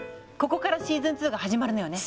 ここからシーズン２が始まるのよね。